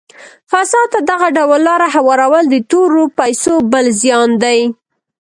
فساد ته دغه ډول لاره هوارول د تورو پیسو بل زیان دی.